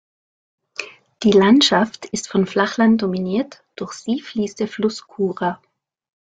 Die Landschaft ist von Flachland dominiert, durch sie fließt der Fluss Kura.